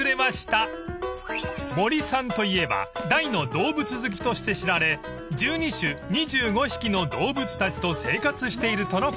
［森さんといえば大の動物好きとして知られ１２種２５匹の動物たちと生活しているとのこと］